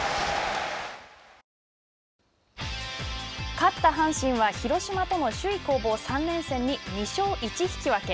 勝った阪神は広島との首位攻防３連戦に２勝１引き分け。